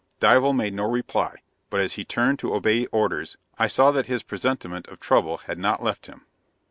Dival made no reply, but as he turned to obey orders, I saw that his presentiment of trouble had not left him.